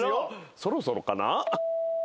そろそろかな？